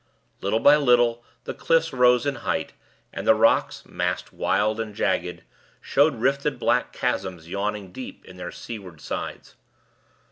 Little by little the cliffs rose in height, and the rocks, massed wild and jagged, showed rifted black chasms yawning deep in their seaward sides.